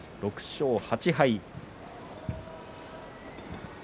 ６勝８敗。